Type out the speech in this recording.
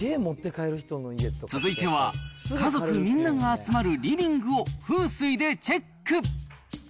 続いては、家族みんなが集まるリビングを風水でチェック。